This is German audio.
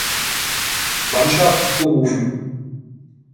Mannschaft berufen.